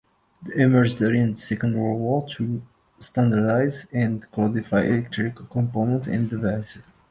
They emerge during the Second World War to standardize and codify electrical components and devices.